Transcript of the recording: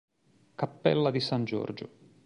Cappella di San Giorgio